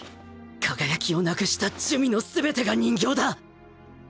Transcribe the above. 輝きをなくした珠魅の全てが人形だ！